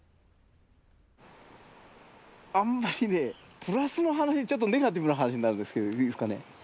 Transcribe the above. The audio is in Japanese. あんまりねプラスの話ちょっとネガティブな話になるんですけどいいですかね？